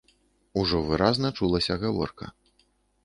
Ужо выразна чулася гаворка.